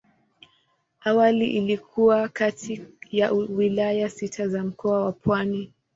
Awali ilikuwa kati ya wilaya sita za Mkoa wa Pwani.